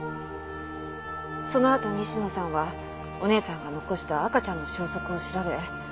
そのあと西野さんはお姉さんが残した赤ちゃんの消息を調べ